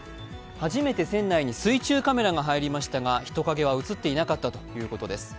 初めて船内に水中カメラが入りましたが、人影は映っていなかったということです。